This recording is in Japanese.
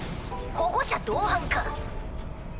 保護者同伴か。